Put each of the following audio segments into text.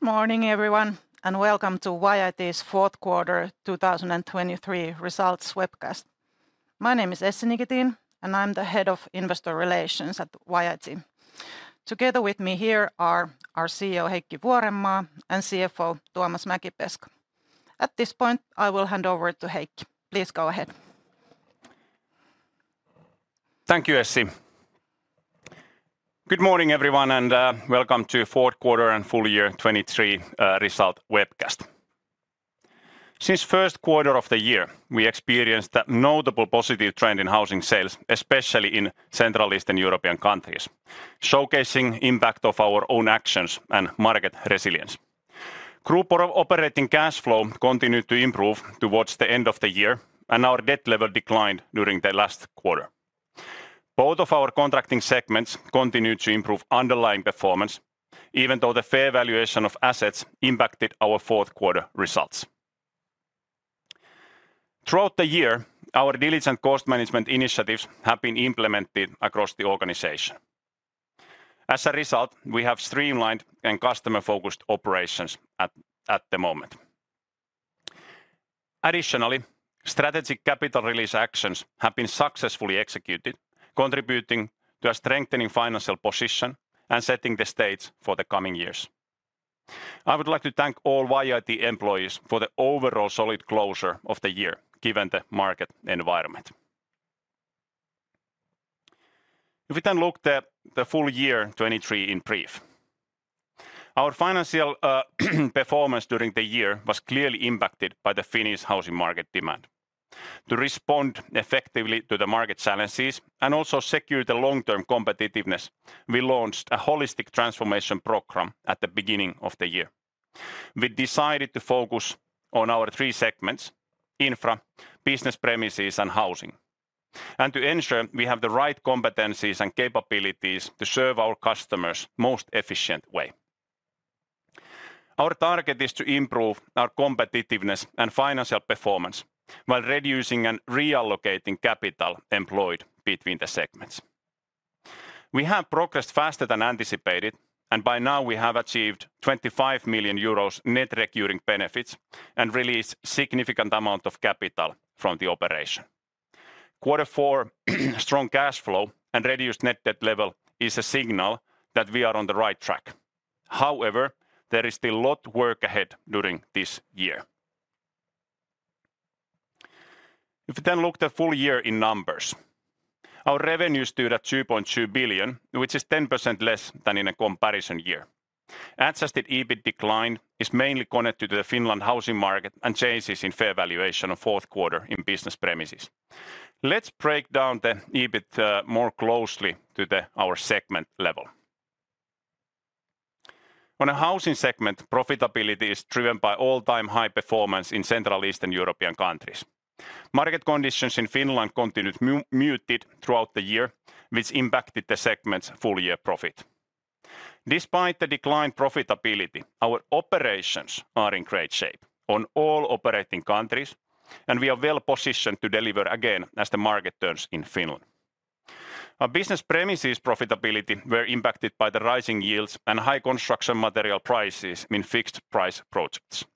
Good morning everyone and welcome to YIT's Fourth Quarter 2023 Results Webcast. My name is Essi Nikitin and I'm the Head of Investor Relations at YIT. Together with me here are our CEO Heikki Vuorenmaa and CFO Tuomas Mäkipeska. At this point I will hand over to Heikki. Please go ahead. Thank you Essi. Good morning everyone and welcome to Fourth Quarter and Full Year 2023 Results Webcast. Since the first quarter of the year we experienced a notable positive trend in housing sales especially in Central Eastern European countries, showcasing the impact of our own actions and market resilience. Group operating cash flow continued to improve towards the end of the year and our debt level declined during the last quarter. Both of our contracting segments continued to improve underlying performance even though the fair valuation of assets impacted our Fourth Quarter results. Throughout the year our diligent cost management initiatives have been implemented across the organization. As a result we have streamlined, customer-focused operations at the moment. Additionally strategic capital release actions have been successfully executed, contributing to a strengthening financial position and setting the stage for the coming years. I would like to thank all YIT employees for the overall solid closure of the year given the market environment. If we then look at the Full Year 2023 in brief, our financial performance during the year was clearly impacted by the Finnish housing market demand. To respond effectively to the market challenges and also secure the long-term competitiveness, we launched a holistic transformation program at the beginning of the year. We decided to focus on our three segments: infra, business premises, and housing. To ensure we have the right competencies and capabilities to serve our customers most efficient way. Our target is to improve our competitiveness and financial performance while reducing and reallocating capital employed between the segments. We have progressed faster than anticipated, and by now we have achieved 25 million euros net recurring benefits and released a significant amount of capital from the operation. Q4 strong cash flow and reduced net debt level is a signal that we are on the right track. However, there is still a lot of work ahead during this year. If we then look at the full year in numbers, our revenues stood at 2.2 billion, which is 10% less than in a comparison year. Adjusted EBIT decline is mainly connected to the Finland housing market and changes in fair valuation of Q4 in business premises. Let's break down the EBIT more closely to our segment level. On the housing segment, profitability is driven by all-time high performance in Central Eastern European countries. Market conditions in Finland continued muted throughout the year, which impacted the segment's full year profit. Despite the declined profitability, our operations are in great shape on all operating countries and we are well positioned to deliver again as the market turns in Finland. Our business premises profitability were impacted by the rising yields and high construction material prices in fixed price projects.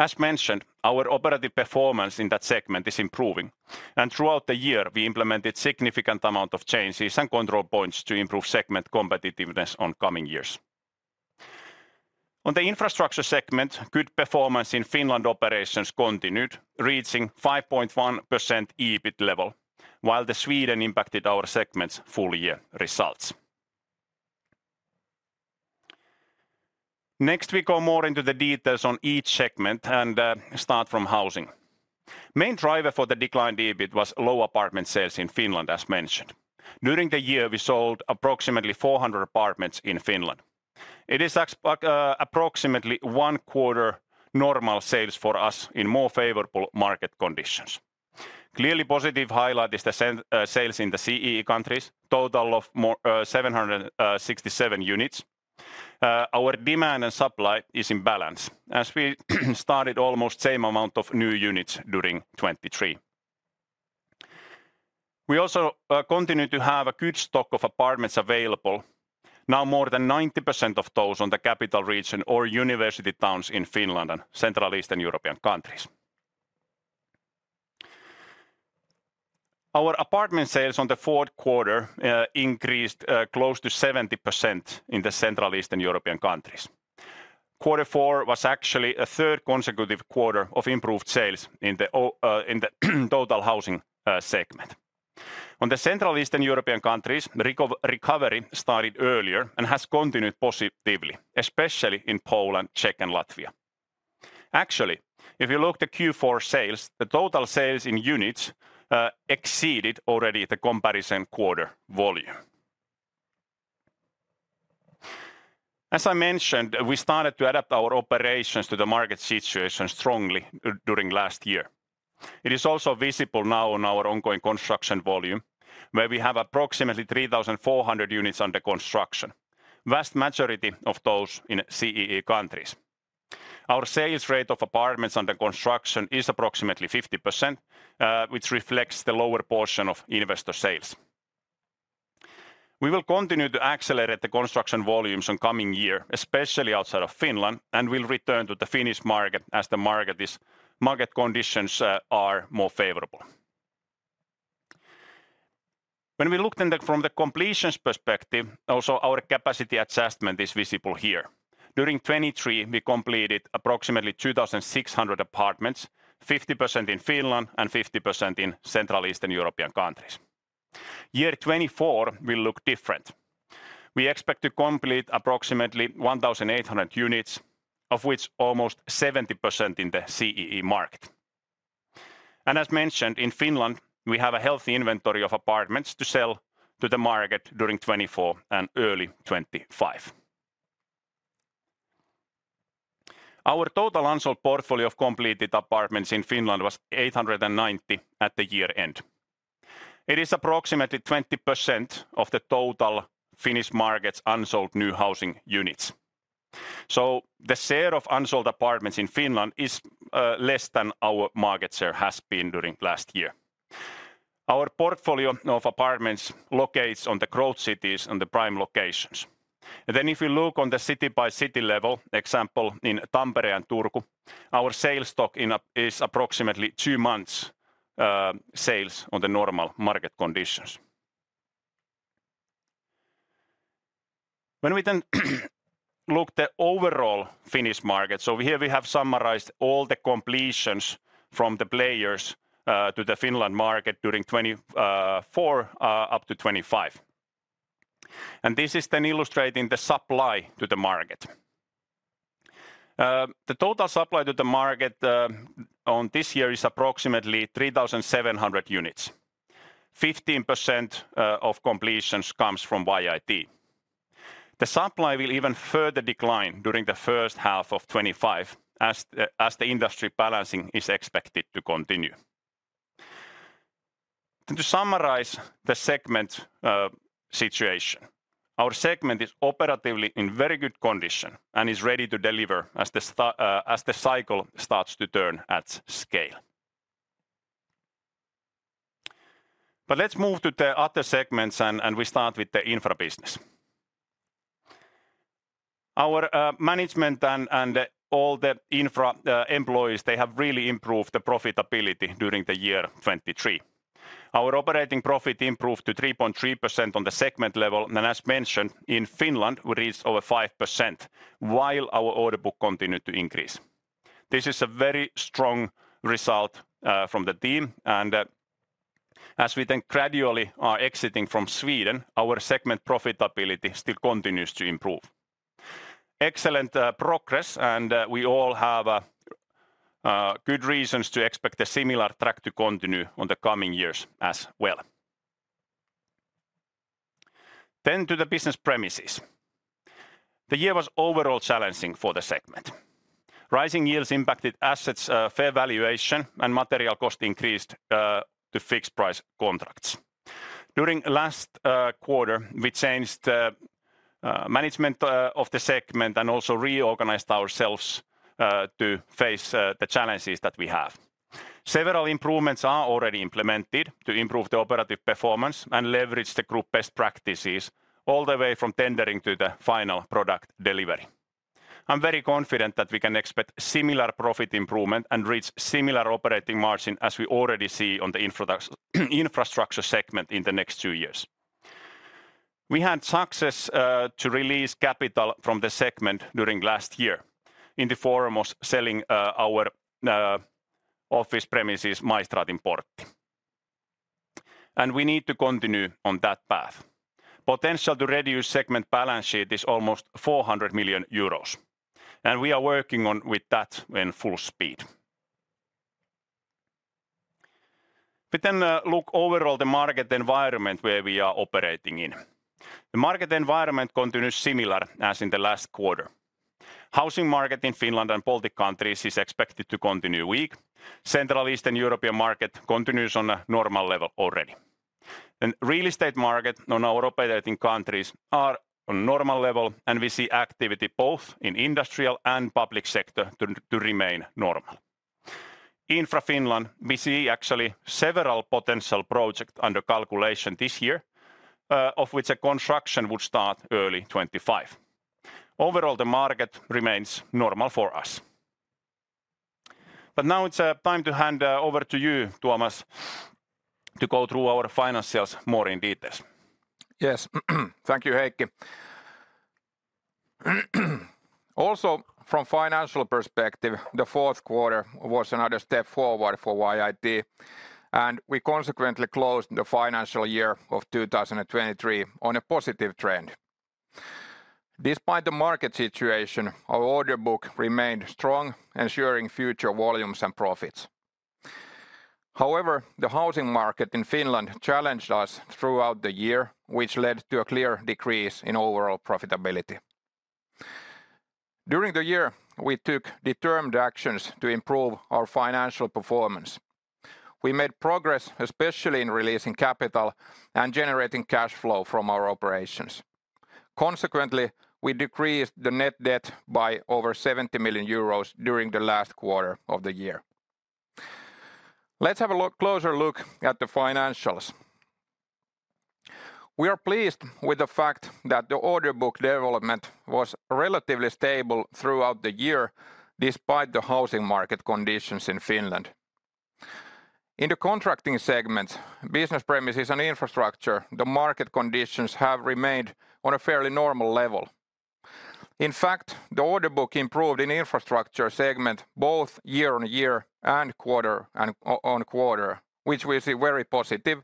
As mentioned, our operative performance in that segment is improving and throughout the year we implemented a significant amount of changes and control points to improve segment competitiveness on coming years. On the infrastructure segment, good performance in Finland operations continued, reaching 5.1% EBIT level while the Sweden impacted our segment's full-year results. Next we go more into the details on each segment and start from housing. The main driver for the declined EBIT was low apartment sales in Finland as mentioned. During the year we sold approximately 400 apartments in Finland. It is approximately one-quarter normal sales for us in more favorable market conditions. Clearly, positive highlight is the sales in the CEE countries, total of 767 units. Our demand and supply is in balance as we started almost the same amount of new units during 2023. We also continue to have a good stock of apartments available. Now more than 90% of those on the capital region or university towns in Finland and Central Eastern European countries. Our apartment sales on the fourth quarter increased close to 70% in the Central Eastern European countries. Quarter four was actually a third consecutive quarter of improved sales in the total housing segment. On the Central Eastern European countries recovery started earlier and has continued positively especially in Poland, Czech and Latvia. Actually, if you look at the Q4 sales, the total sales in units exceeded already the comparison quarter volume. As I mentioned, we started to adapt our operations to the market situation strongly during last year. It is also visible now on our ongoing construction volume, where we have approximately 3,400 units under construction. The vast majority of those in CEE countries. Our sales rate of apartments under construction is approximately 50%, which reflects the lower portion of investor sales. We will continue to accelerate the construction volumes on coming year especially outside of Finland and we will return to the Finnish market as the market conditions are more favorable. When we look from the completions perspective, also our capacity adjustment is visible here. During 2023, we completed approximately 2,600 apartments 50% in Finland and 50% in Central Eastern European countries. Year 2024 will look different. We expect to complete approximately 1,800 units of which almost 70% in the CEE market. As mentioned in Finland we have a healthy inventory of apartments to sell to the market during 2024 and early 2025. Our total unsold portfolio of completed apartments in Finland was 890 at the year end. It is approximately 20% of the total Finnish market's unsold new housing units. The share of unsold apartments in Finland is less than our market share has been during last year. Our portfolio of apartments locates on the growth cities on the prime locations. If we look on the city by city level example in Tampere and Turku our sales stock is approximately two months sales on the normal market conditions. When we then look at the overall Finnish market so here we have summarized all the completions from the players to the Finnish market during 2024 up to 2025. This is then illustrating the supply to the market. The total supply to the market on this year is approximately 3,700 units. 15% of completions comes from YIT. The supply will even further decline during the first half of 2025 as the industry balancing is expected to continue. To summarize the segment situation our segment is operatively in very good condition and is ready to deliver as the cycle starts to turn at scale. Let's move to the other segments and we start with the Infra business. Our management and all the infra employees they have really improved the profitability during the year 2023. Our operating profit improved to 3.3% on the segment level, and as mentioned, in Finland we reached over 5% while our order book continued to increase. This is a very strong result from the team, and as we then gradually are exiting from Sweden, our segment profitability still continues to improve. Excellent progress, and we all have good reasons to expect a similar track to continue on the coming years as well. Then to the business premises. The year was overall challenging for the segment. Rising yields impacted assets' fair valuation, and material cost increased to fixed-price contracts. During last quarter, we changed the management of the segment and also reorganized ourselves to face the challenges that we have. Several improvements are already implemented to improve the operative performance and leverage the group best practices all the way from tendering to the final product delivery. I'm very confident that we can expect similar profit improvement and reach similar operating margin as we already see on the infrastructure segment in the next two years. We had success to release capital from the segment during last year in the foremost selling our office premises Maistraatinportti. We need to continue on that path. The potential to reduce the segment balance sheet is almost 400 million euros. We are working on that in full speed. If we then look overall at the market environment where we are operating, the market environment continues similar as in the last quarter. Housing market in Finland and Baltic countries is expected to continue weak. The Central Eastern European market continues on a normal level already. The real estate market in our operating countries is on a normal level and we see activity both in the industrial and public sector to remain normal. In Infra Finland we see actually several potential projects under calculation this year of which construction would start early 2025. Overall the market remains normal for us. Now it's time to hand over to you Tuomas to go through our financials more in detail. Yes, thank you Heikki. Also from a financial perspective the fourth quarter was another step forward for YIT. We consequently closed the financial year of 2023 on a positive trend. Despite the market situation our order book remained strong ensuring future volumes and profits. However the housing market in Finland challenged us throughout the year which led to a clear decrease in overall profitability. During the year we took determined actions to improve our financial performance. We made progress especially in releasing capital and generating cash flow from our operations. Consequently, we decreased the net debt by over 70 million euros during the last quarter of the year. Let's have a closer look at the financials. We are pleased with the fact that the order book development was relatively stable throughout the year despite the housing market conditions in Finland. In the contracting segments, business premises and infrastructure, the market conditions have remained on a fairly normal level. In fact, the order book improved in the infrastructure segment both year-on-year and quarter-on-quarter, which we see very positive.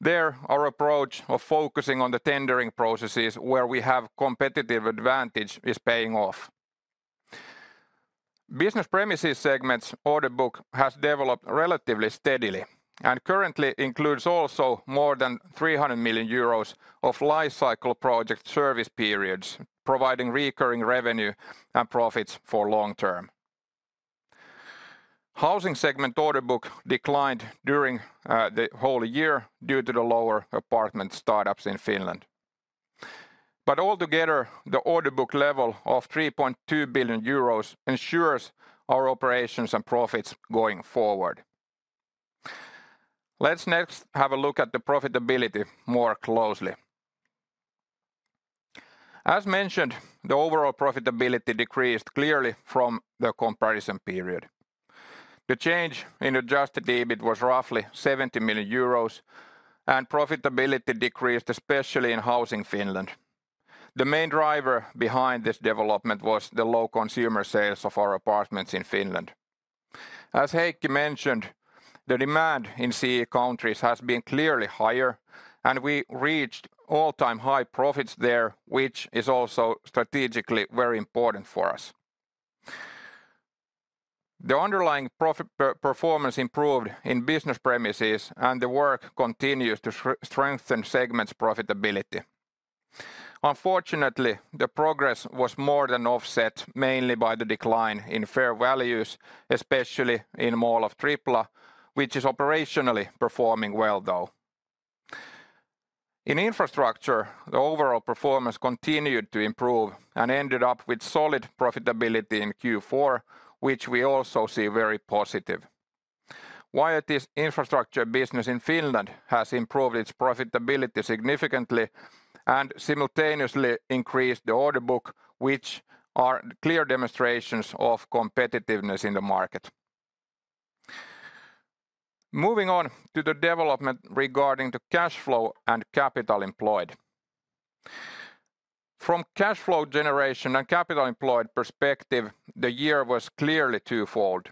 There, our approach of focusing on the tendering processes where we have competitive advantage is paying off. Business premises segments order book has developed relatively steadily and currently includes also more than 300 million euros of life cycle project service periods providing recurring revenue and profits for long term. Housing segment order book declined during the whole year due to the lower apartment startups in Finland. But altogether the order book level of 3.2 billion euros ensures our operations and profits going forward. Let's next have a look at the profitability more closely. As mentioned the overall profitability decreased clearly from the comparison period. The change in Adjusted EBIT was roughly 70 million euros and profitability decreased especially in housing Finland. The main driver behind this development was the low consumer sales of our apartments in Finland. As Heikki mentioned the demand in CEE countries has been clearly higher and we reached all-time high profits there which is also strategically very important for us. The underlying profit performance improved in business premises and the work continues to strengthen segments' profitability. Unfortunately the progress was more than offset mainly by the decline in fair values especially in Mall of Tripla which is operationally performing well though. In infrastructure the overall performance continued to improve and ended up with solid profitability in Q4 which we also see very positive. YIT's infrastructure business in Finland has improved its profitability significantly and simultaneously increased the order book which are clear demonstrations of competitiveness in the market. Moving on to the development regarding the cash flow and capital employed. From cash flow generation and capital employed perspective the year was clearly twofold.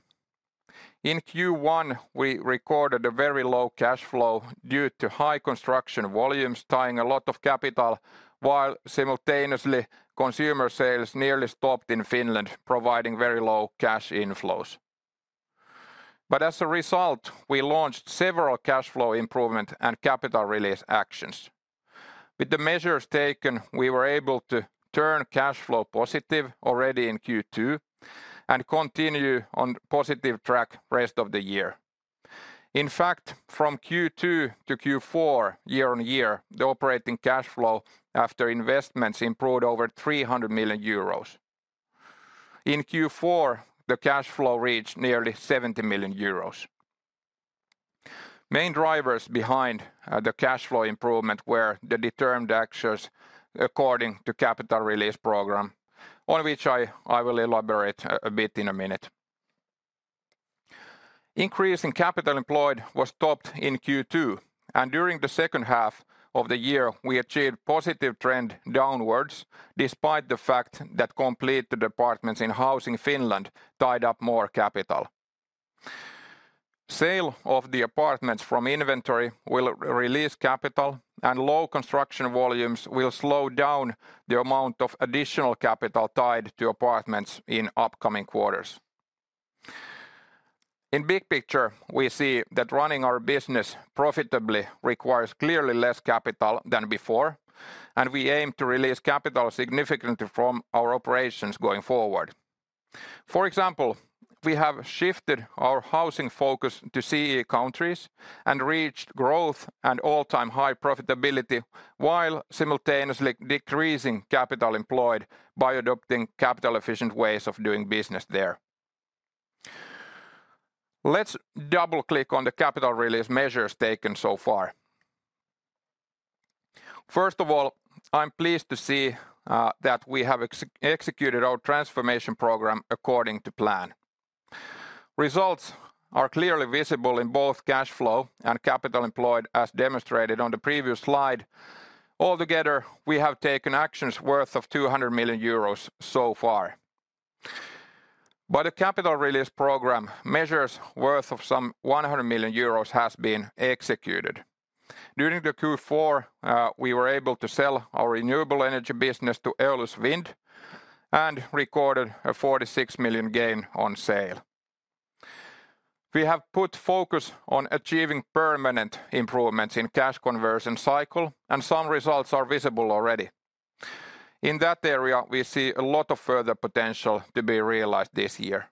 In Q1 we recorded a very low cash flow due to high construction volumes tying a lot of capital while simultaneously consumer sales nearly stopped in Finland providing very low cash inflows. As a result we launched several cash flow improvement and capital release actions. With the measures taken we were able to turn cash flow positive already in Q2 and continue on a positive track the rest of the year. In fact from Q2 to Q4 year-on-year the Operating Cash Flow after investments improved over 300 million euros. In Q4 the cash flow reached nearly 70 million euros. The main drivers behind the cash flow improvement were the determined actions according to the capital release program on which I will elaborate a bit in a minute. Increasing Capital Employed was stopped in Q2 and during the second half of the year we achieved a positive trend downwards despite the fact that completed apartments in Housing Finland tied up more capital. The sale of the apartments from inventory will release capital and low construction volumes will slow down the amount of additional capital tied to apartments in upcoming quarters. In the big picture we see that running our business profitably requires clearly less capital than before and we aim to release capital significantly from our operations going forward. For example we have shifted our housing focus to CEE countries and reached growth and all-time high profitability while simultaneously decreasing capital employed by adopting capital efficient ways of doing business there. Let's double click on the capital release measures taken so far. First of all I'm pleased to see that we have executed our transformation program according to plan. Results are clearly visible in both cash flow and capital employed as demonstrated on the previous slide. Altogether we have taken actions worth 200 million euros so far. But the capital release program measures worth of some 100 million euros have been executed. During the Q4 we were able to sell our renewable energy business to Eolus Wind and recorded a 46 million gain on sale. We have put focus on achieving permanent improvements in the cash conversion cycle and some results are visible already. In that area we see a lot of further potential to be realized this year.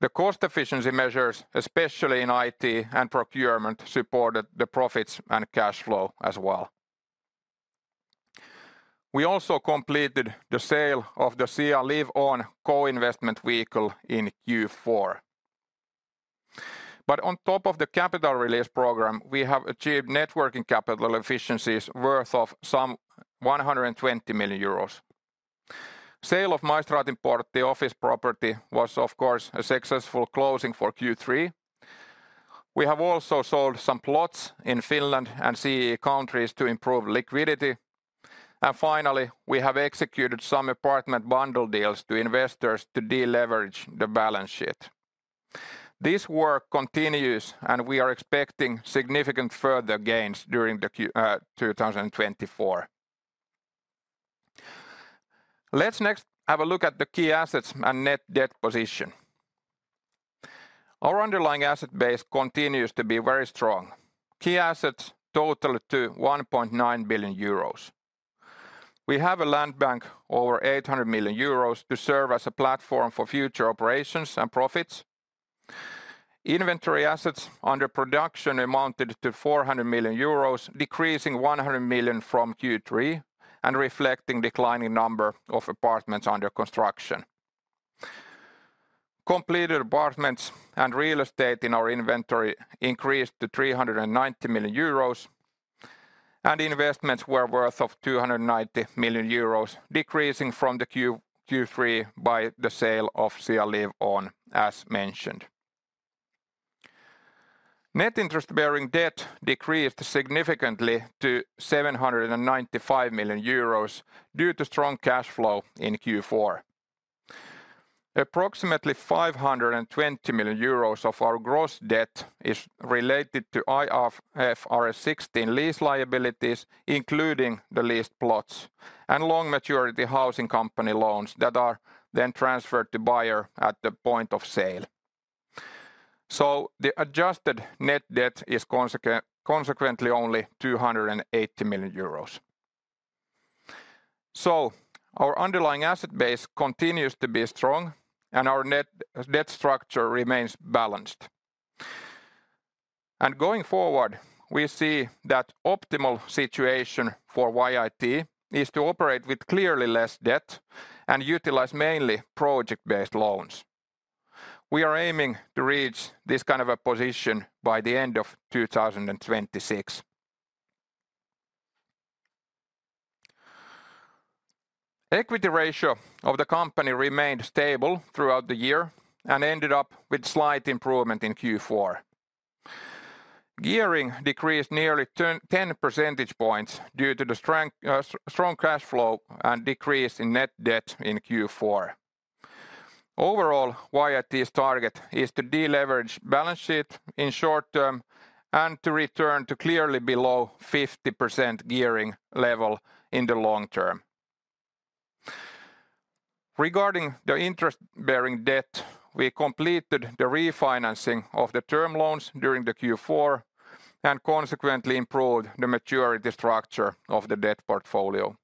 The cost efficiency measures especially in IT and procurement supported the profits and cash flow as well. We also completed the sale of the CE Live-On co-investment vehicle in Q4. But on top of the capital release program we have achieved net working capital efficiencies worth of some 120 million euros. The sale of Maistraatinportti office property was of course a successful closing for Q3. We have also sold some plots in Finland and CEE countries to improve liquidity. Finally we have executed some apartment bundle deals to investors to deleverage the balance sheet. This work continues and we are expecting significant further gains during 2024. Let's next have a look at the key assets and net debt position. Our underlying asset base continues to be very strong. Key assets totaled to 1.9 billion euros. We have a land bank over 800 million euros to serve as a platform for future operations and profits. Inventory assets under production amounted to 400 million euros decreasing 100 million from Q3 and reflecting the declining number of apartments under construction. Completed apartments and real estate in our inventory increased to 390 million euros. Investments were worth of 290 million euros decreasing from Q3 by the sale of CEA Live On as mentioned. Net interest bearing debt decreased significantly to 795 million euros due to strong cash flow in Q4. Approximately 520 million euros of our gross debt is related to IFRS 16 lease liabilities including the leased plots and long maturity housing company loans that are then transferred to the buyer at the point of sale. So the adjusted net debt is consequently only 280 million euros. So our underlying asset base continues to be strong and our net debt structure remains balanced. And going forward we see that the optimal situation for YIT is to operate with clearly less debt and utilize mainly project-based loans. We are aiming to reach this kind of a position by the end of 2026. The equity ratio of the company remained stable throughout the year and ended up with a slight improvement in Q4. Gearing decreased nearly 10 percentage points due to the strong cash flow and decrease in net debt in Q4. Overall YIT's target is to deleverage the balance sheet in the short term and to return to clearly below 50% gearing level in the long term. Regarding the interest-bearing debt we completed the refinancing of the term loans during Q4 and consequently improved the maturity structure of the debt portfolio.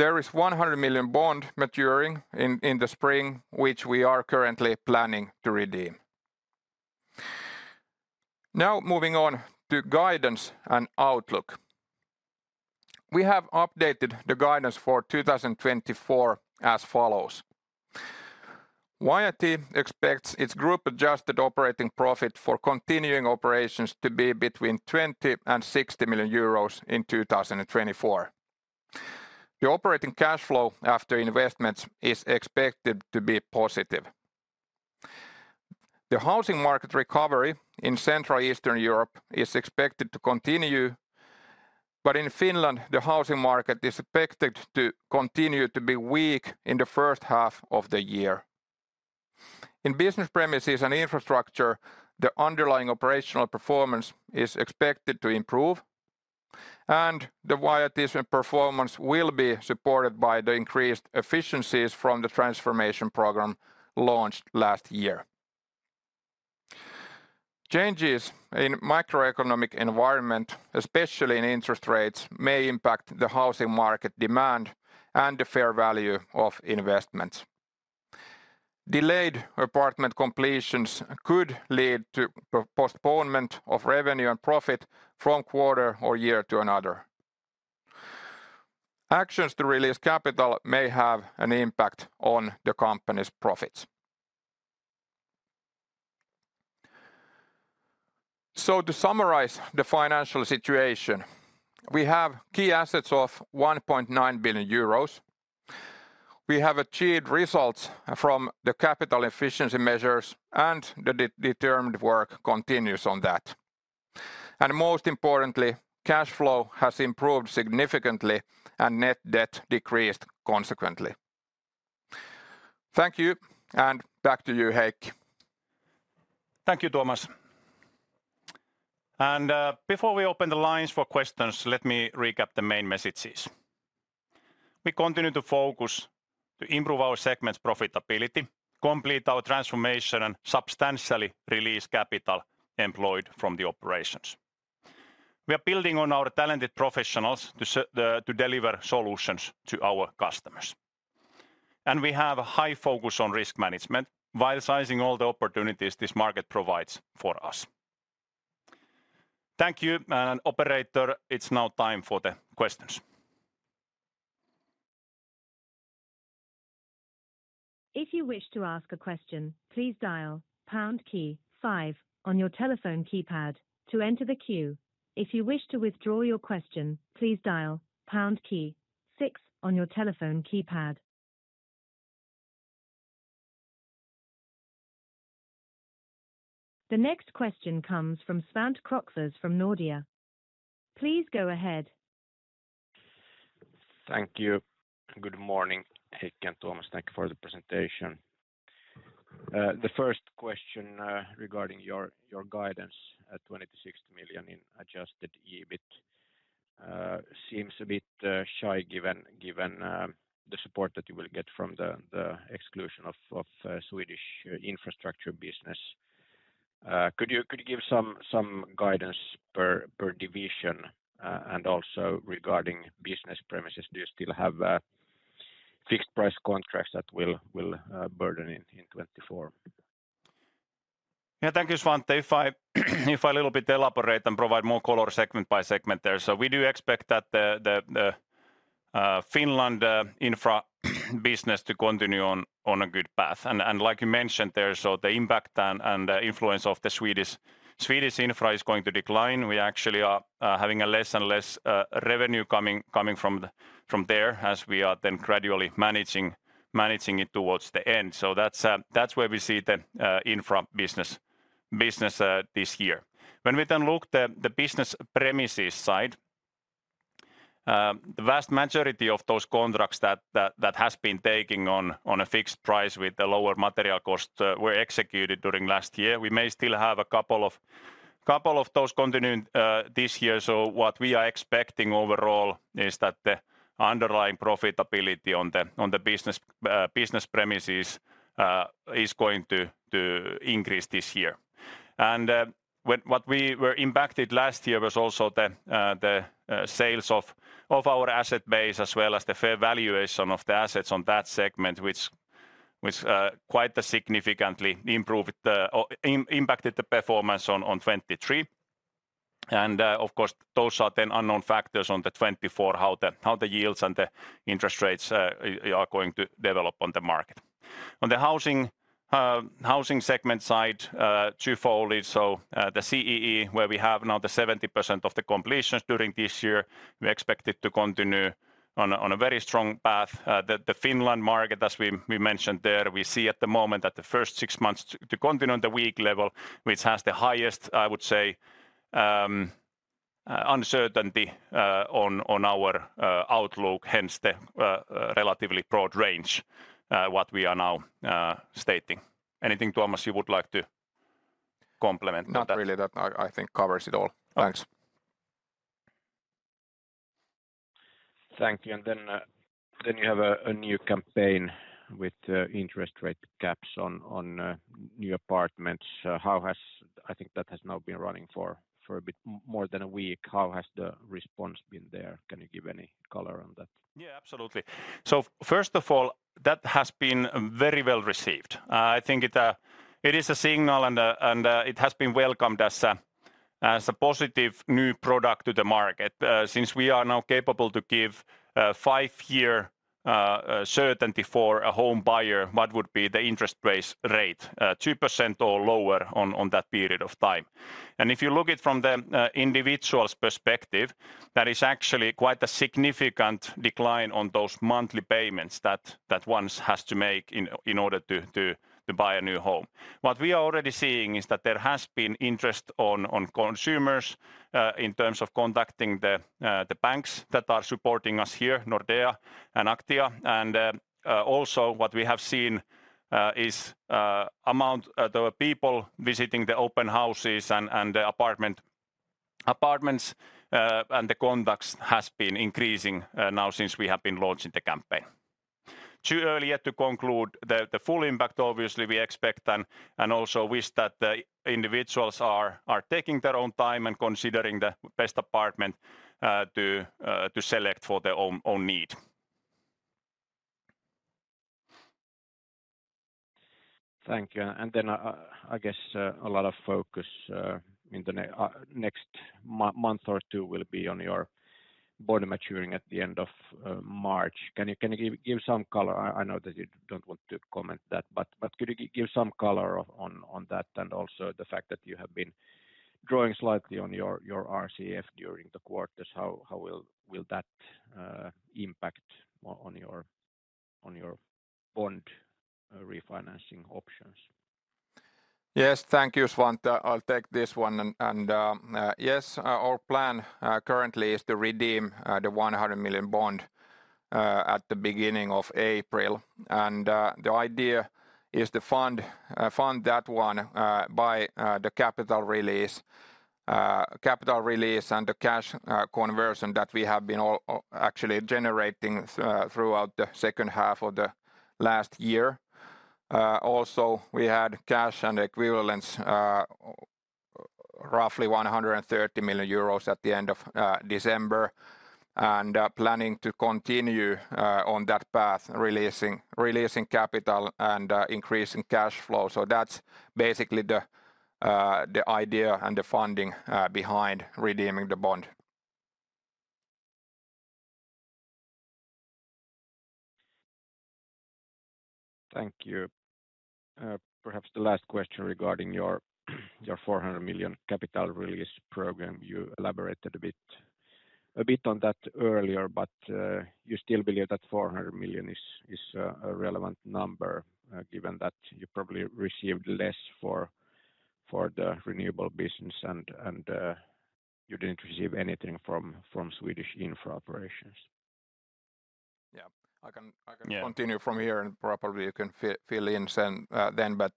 There is a 100 million bond maturing in the spring which we are currently planning to redeem. Now moving on to guidance and outlook. We have updated the guidance for 2024 as follows. YIT expects its group adjusted operating profit for continuing operations to be between 20 million and 60 million euros in 2024. The operating cash flow after investments is expected to be positive. The housing market recovery in Central Eastern Europe is expected to continue but in Finland the housing market is expected to continue to be weak in the first half of the year. In business premises and infrastructure the underlying operational performance is expected to improve. YIT's performance will be supported by the increased efficiencies from the transformation program launched last year. Changes in the macroeconomic environment especially in interest rates may impact the housing market demand and the fair value of investments. Delayed apartment completions could lead to postponement of revenue and profit from quarter or year to another. Actions to release capital may have an impact on the company's profits. To summarize the financial situation we have key assets of 1.9 billion euros. We have achieved results from the capital efficiency measures and the determined work continues on that. Most importantly cash flow has improved significantly and net debt decreased consequently. Thank you and back to you Heikki. Thank you Tuomas. Before we open the lines for questions let me recap the main messages. We continue to focus to improve our segments' profitability complete our transformation and substantially release capital employed from the operations. We are building on our talented professionals to deliver solutions to our customers. We have a high focus on risk management while sizing all the opportunities this market provides for us. Thank you and operator it's now time for the questions. If you wish to ask a question please dial pound key five on your telephone keypad to enter the queue. If you wish to withdraw your question please dial pound key six on your telephone keypad. The next question comes from Svante Krokfors from Nordea. Please go ahead. Thank you. Good morning, Heikki and Tuomas, thank you for the presentation. The first question regarding your guidance at 26 million in adjusted EBIT seems a bit shy given the support that you will get from the exclusion of Swedish infrastructure business. Could you give some guidance per division and also regarding business premises do you still have fixed price contracts that will burden in 2024? Yeah, thank you, Svante. If I little bit elaborate and provide more color segment by segment there. So we do expect that the Finland infra business to continue on a good path. And like you mentioned there so the impact and the influence of the Swedish infra is going to decline. We actually are having less and less revenue coming from there as we are then gradually managing it towards the end. So that's where we see the infra business this year. When we then look at the business premises side, the vast majority of those contracts that have been taken on a fixed price with a lower material cost were executed during last year. We may still have a couple of those continue this year. So what we are expecting overall is that the underlying profitability on the business premises is going to increase this year. And what we were impacted last year was also the sales of our asset base as well as the fair valuation of the assets on that segment, which quite significantly impacted the performance in 2023. And of course those are then unknown factors in 2024 how the yields and the interest rates are going to develop on the market. On the housing segment side twofoldly so the CEE where we have now the 70% of the completions during this year we expect it to continue on a very strong path. The Finland market as we mentioned there we see at the moment that the first six months to continue on the weak level which has the highest I would say uncertainty on our outlook hence the relatively broad range what we are now stating. Anything Tuomas you would like to complement? Not really that I think covers it all. Thanks. Thank you and then you have a new campaign with interest rate caps on new apartments. How has I think that has now been running for a bit more than a week. How has the response been there? Can you give any color on that? Yeah absolutely. So first of all that has been very well received. I think it is a signal and it has been welcomed as a positive new product to the market. Since we are now capable to give a five-year certainty for a home buyer, what would be the interest rate 2% or lower on that period of time. And if you look at it from the individual's perspective that is actually quite a significant decline on those monthly payments that one has to make in order to buy a new home. What we are already seeing is that there has been interest on consumers in terms of contacting the banks that are supporting us here Nordea and Aktia. And also what we have seen is the amount of people visiting the open houses and the apartments and the contacts has been increasing now since we have been launching the campaign. Too early yet to conclude the full impact. Obviously we expect and also wish that the individuals are taking their own time and considering the best apartment to select for their own need. Thank you, and then I guess a lot of focus into the next month or two will be on your bond maturing at the end of March. Can you give some color? I know that you don't want to comment that but could you give some color on that and also the fact that you have been drawing slightly on your RCF during the quarters how will that impact on your bond refinancing options? Yes, thank you, Svante. I'll take this one, and yes our plan currently is to redeem the 100 million bond at the beginning of April. The idea is to fund that one by the capital release and the cash conversion that we have been actually generating throughout the second half of the last year. Also, we had cash and equivalents, roughly 130 million euros, at the end of December. And planning to continue on that path releasing capital and increasing cash flow. So that's basically the idea and the funding behind redeeming the bond. Thank you. Perhaps the last question regarding your 400 million capital release program. You elaborated a bit on that earlier, but you still believe that 400 million is a relevant number given that you probably received less for the renewable business and you didn't receive anything from Swedish infra operations. Yeah, I can continue from here and probably you can fill in then, but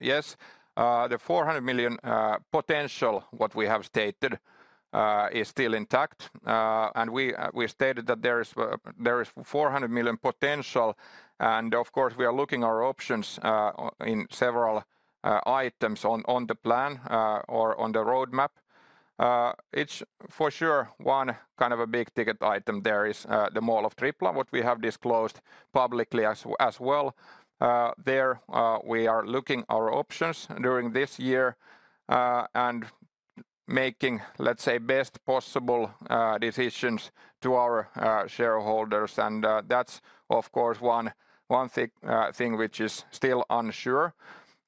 yes, the 400 million potential what we have stated is still intact. And we stated that there is 400 million potential and of course we are looking at our options in several items on the plan or on the roadmap. It's for sure one kind of a big ticket item there is the Mall of Tripla what we have disclosed publicly as well. There we are looking at our options during this year and making let's say best possible decisions to our shareholders. And that's of course one thing which is still unsure.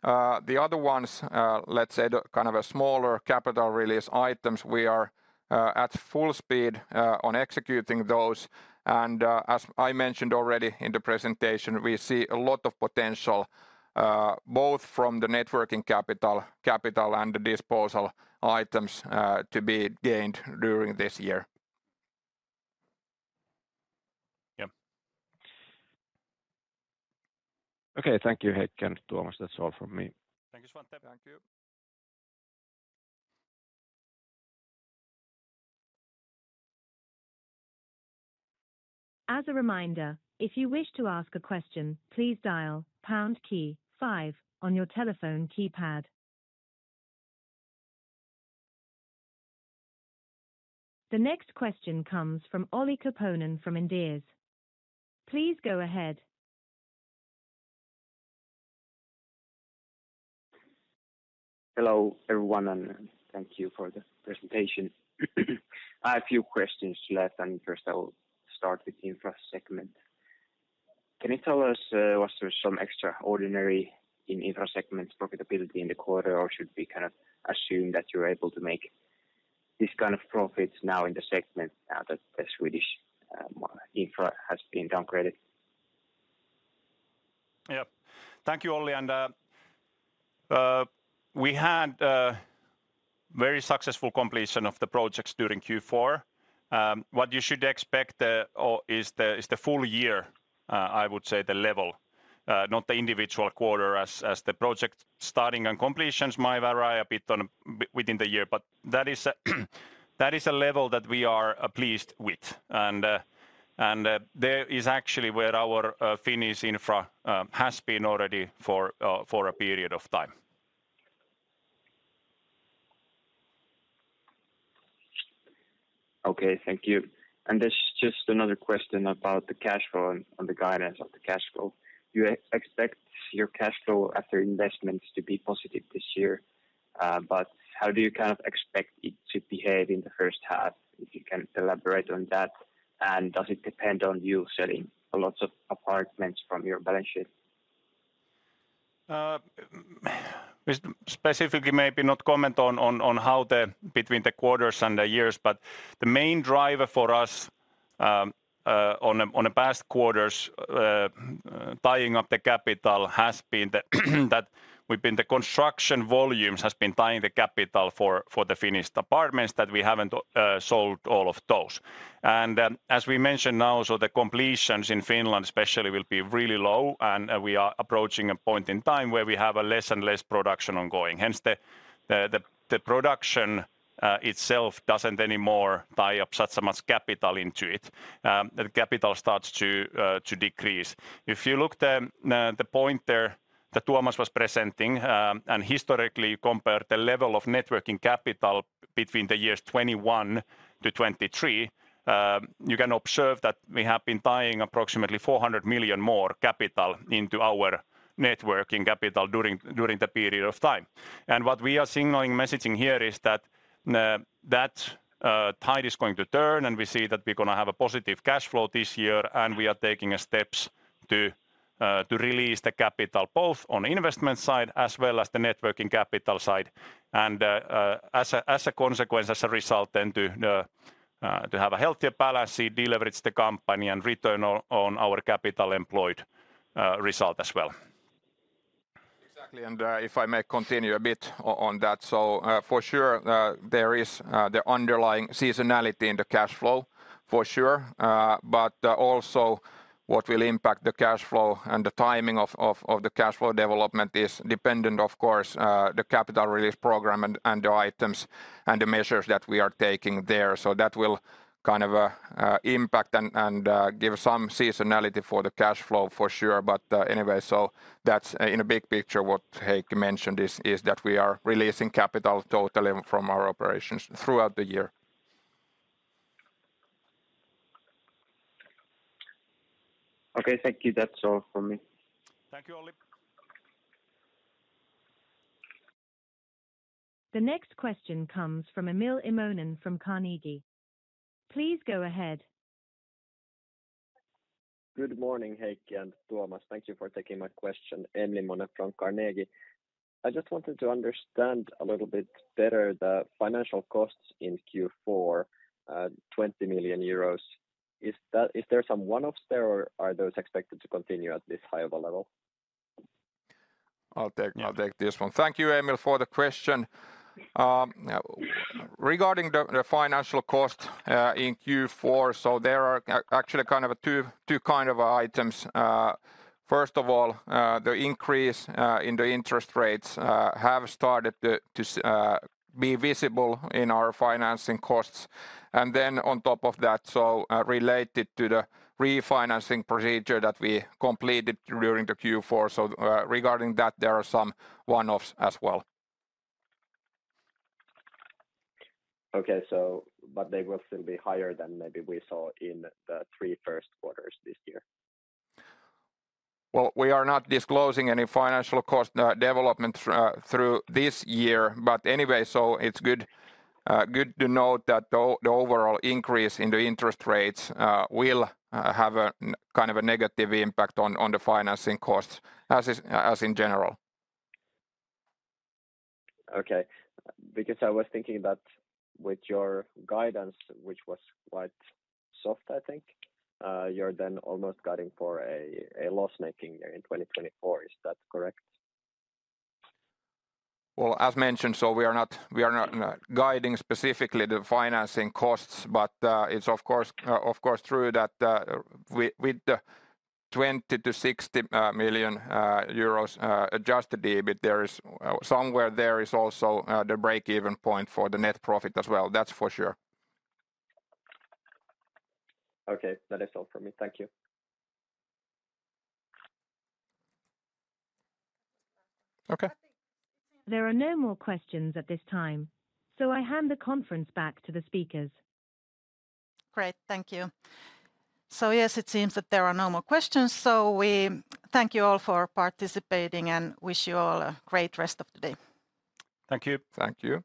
The other ones let's say kind of a smaller capital release items we are at full speed on executing those. And as I mentioned already in the presentation we see a lot of potential both from the working capital and the disposal items to be gained during this year. Yeah. Okay thank you Heikki and Tuomas that's all from me. Thank you Svante. Thank you. As a reminder, if you wish to ask a question, please dial pound key five on your telephone keypad. The next question comes from Olli Koponen from Inderes. Please go ahead. Hello, everyone, and thank you for the presentation. I have a few questions left, and first I will start with infra segment. Can you tell us, was there some extraordinary in infra segment profitability in the quarter, or should we kind of assume that you're able to make this kind of profit now in the segment now that the Swedish infra has been downgraded? Yeah, thank you, Olli, and we had very successful completion of the projects during Q4. What you should expect is the full year, I would say, the level, not the individual quarter, as the project starting and completions might vary a bit within the year, but that is a level that we are pleased with. There is actually where our Finnish infra has been already for a period of time. Okay, thank you. There's just another question about the cash flow and the guidance of the cash flow. You expect your cash flow after investments to be positive this year but how do you kind of expect it to behave in the first half if you can elaborate on that and does it depend on you selling a lot of apartments from your balance sheet? Specifically maybe not comment on how the between the quarters and the years but the main driver for us on the past quarters tying up the capital has been that we've been the construction volumes has been tying the capital for the Finnish apartments that we haven't sold all of those. As we mentioned now, so the completions in Finland especially will be really low and we are approaching a point in time where we have less and less production ongoing. Hence the production itself doesn't anymore tie up so much capital into it. The capital starts to decrease. If you look at the point there that Tuomas was presenting and historically you compare the level of working capital between the years 2021-2023 you can observe that we have been tying approximately 400 million more capital into our working capital during the period of time. And what we are signaling messaging here is that that tide is going to turn and we see that we're going to have a positive cash flow this year and we are taking steps to release the capital both on the investment side as well as the working capital side. As a consequence, as a result, then to have a healthier balance sheet, deleverage the company, and return on our capital employed result as well. Exactly, and if I may continue a bit on that, so for sure there is the underlying seasonality in the cash flow, for sure. But also, what will impact the cash flow and the timing of the cash flow development is dependent, of course, on the capital release program and the items and the measures that we are taking there. So that will kind of impact and give some seasonality for the cash flow, for sure. But anyway, so that's, in a big picture, what Heikki mentioned is that we are releasing capital totally from our operations throughout the year. Okay, thank you. That's all from me. Thank you, Olli. The next question comes from Emil Immonen from Carnegie. Please go ahead. Good morning Heikki and Tuomas thank you for taking my question. Emil Imonen from Carnegie. I just wanted to understand a little bit better the financial costs in Q4 20 million euros. Is there some one-offs there or are those expected to continue at this high of a level? I'll take this one. Thank you Emil for the question. Regarding the financial cost in Q4 so there are actually kind of two kind of items. First of all the increase in the interest rates have started to be visible in our financing costs. And then on top of that so related to the refinancing procedure that we completed during the Q4 so regarding that there are some one-offs as well. Okay so but they will still be higher than maybe we saw in the three first quarters this year? Well, we are not disclosing any financial cost development through this year, but anyway, so it's good to note that the overall increase in the interest rates will have a kind of a negative impact on the financing costs as in general. Okay, because I was thinking that with your guidance, which was quite soft, I think you're then almost guiding for a loss-making year in 2024, is that correct? Well, as mentioned, so we are not guiding specifically the financing costs, but it's of course true that with the 20 million to 60 million euros adjusted EBIT there is somewhere there is also the break-even point for the net profit as well, that's for sure. Okay, that is all from me, thank you. Okay. There are no more questions at this time, so I hand the conference back to the speakers. Great, thank you. So yes, it seems that there are no more questions, so we thank you all for participating and wish you all a great rest of the day. Thank you. Thank you.